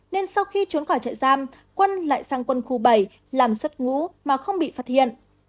nên sau khi trốn khỏi trại giam quân lại sang quân khu bảy làm xuất ngũ mà không bị phát hiện